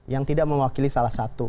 yang tidak mewakili salah satu